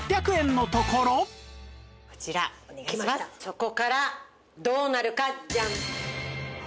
そこからどうなるかジャン。